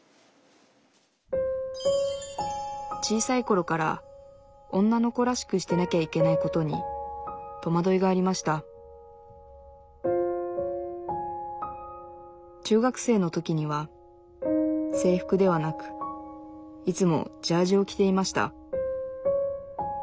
小さいころから女の子らしくしてなきゃいけないことにとまどいがありました中学生の時には制服ではなくいつもジャージを着ていました